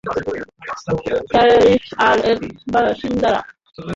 Paris আর এর বাসিন্দারা।